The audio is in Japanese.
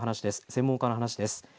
専門家の話です。